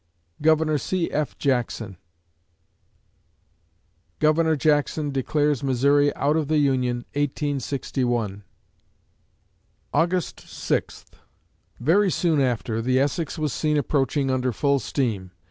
GOV. C. F. JACKSON Governor Jackson declares Missouri out of the Union, 1861 August Sixth Very soon after, the Essex was seen approaching under full steam.